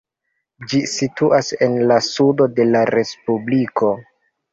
Ĝi situas en la sudo de la respubliko.